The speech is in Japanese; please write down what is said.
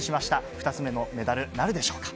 ２つ目のメダル、なるでしょうか。